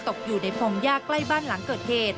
ตกอยู่ในพงยากใกล้บ้านหลังเกิดเหตุ